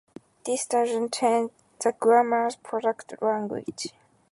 This doesn't change the grammar's produced language.